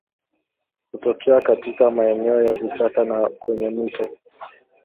Hutokea katika maeneo ya vichaka na kwenye mito